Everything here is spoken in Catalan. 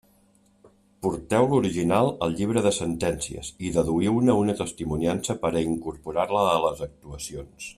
Porteu l'original al llibre de sentències i deduïu-ne una testimoniança per a incorporar-la a les actuacions.